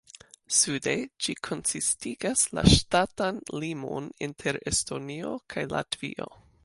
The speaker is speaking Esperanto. Sude ĝi konsistigas la ŝtatan limon inter Estonio kaj Latvio.